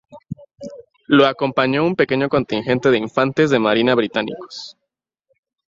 Lo acompañó un pequeño contingente de infantes de marina británicos.